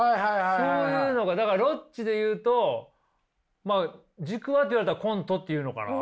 そういうのがだからロッチで言うとまあ軸はって言われたらコントって言うのかな。